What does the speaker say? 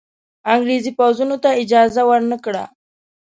انګرېزي پوځونو ته اجازه ورنه کړه.